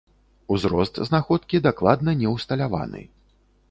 Узрост знаходкі дакладна не ўсталяваны.